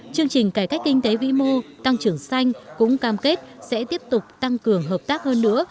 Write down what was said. chương trình cải cách kinh tế vĩ mô tăng trưởng xanh cũng cam kết sẽ tiếp tục tăng cường hợp tác hơn nữa